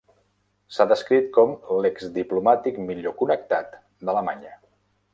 S'ha descrit com "l'exdiplomàtic millor connectat d'Alemanya".